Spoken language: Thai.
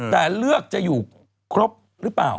แต่เลือกจะอยู่ครบหรือเปล่า